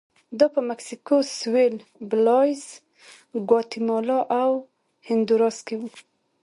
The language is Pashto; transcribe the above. دا په مکسیکو سوېل، بلایز، ګواتیمالا او هندوراس کې و